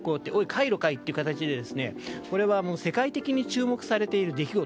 カイロかい！という形で世界的に注目されている出来事。